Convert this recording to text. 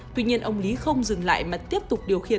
tuy nhiên ông lý không dừng lại mà tiếp tục điều khiển